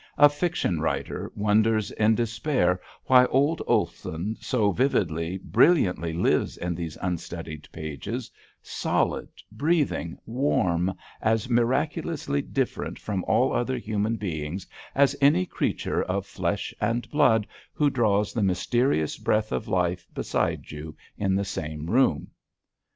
a fiction writer wonders in despair why old Olson so vividly, brilliantly lives in these unstudied pages, solid, breathing, warm, as miraculously different from all other human beings as any creature of flesh and blood who draws the mysterious breath of life beside you in the same room.